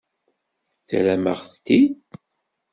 Terramt-aɣ-t-id.